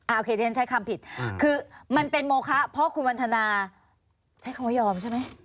โอเคที่ฉันใช้คำผิดคือมันเป็นโมคะเพราะคุณวันทนาใช้คำว่ายอมใช่ไหม